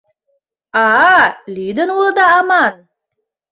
А-а, лӱдын улыда аман?!.